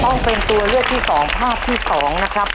ต้องเป็นตัวเลือกที่๒ภาพที่๒นะครับ